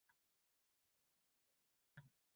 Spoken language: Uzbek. Qadriyatlarini ulug‘lagan yurt buyukdir